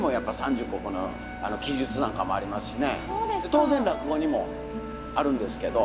当然落語にもあるんですけど。